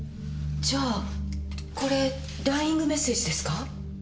じゃあこれダイイングメッセージですか？